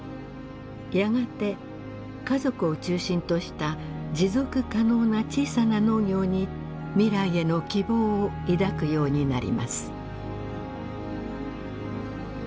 やがて家族を中心とした持続可能な小さな農業に未来への希望を抱くようになります。